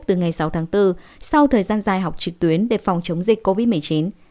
từ ngày sáu tháng bốn sau thời gian dài học trực tuyến để phòng chống dịch covid một mươi chín